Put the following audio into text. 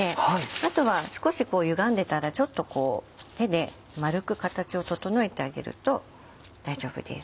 あとは少しゆがんでたらちょっと手で丸く形を整えてあげると大丈夫です。